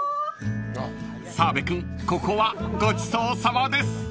［澤部君ここはごちそうさまです］